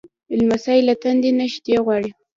لمسی له تندې نه شیدې غواړي.